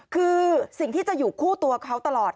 คือสิ่งที่จะอยู่คู่ตัวเขาตลอด